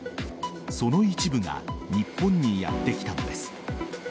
その一部が日本にやってきたのです。